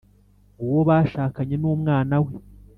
Uwo bashakanye n ‘umwana we .